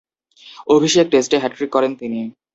অভিষেক টেস্টে হ্যাট্রিক করেন তিনি।